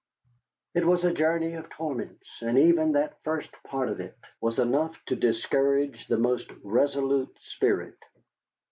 It was a journey of torments, and even that first part of it was enough to discourage the most resolute spirit.